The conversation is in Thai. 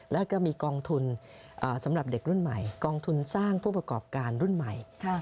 แล้วก็มีกองทุนสำหรับเด็กรุ่นใหม่กองทุนสร้างผู้ประกอบการรุ่นใหม่